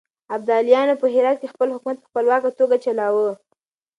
ابداليانو په هرات کې خپل حکومت په خپلواکه توګه چلاوه.